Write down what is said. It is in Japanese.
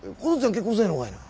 結婚せえへんのかいな？